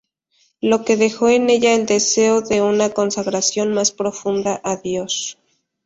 Lo que dejó en ella el deseo de una consagración más profunda a Dios.